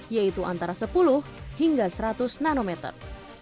yaitu antara sepuluh hingga seratus nanometer